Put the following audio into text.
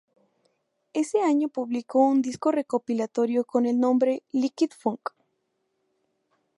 Ese año publicó un disco recopilatorio con el nombre "Liquid Funk".